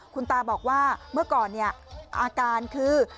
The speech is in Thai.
คุณตาบอกว่าเมื่อก่อนเนี่ยอาการคือ